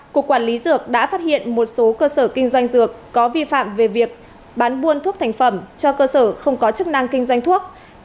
cục quản lý dược đã phát hiện một số cơ sở kinh doanh dược có vi phạm về việc bán buôn thuốc thành phẩm cho cơ sở không có chức năng kinh doanh thuốc